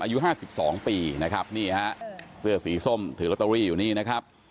อายุ๕๒ปีนะครับนี่ฮะเสื้อสีส้มถือลอตเตอรี่อยู่นี่นะครับ